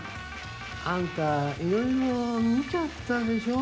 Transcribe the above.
あんたいろいろ見ちゃったでしょ？